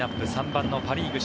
３番のパ・リーグ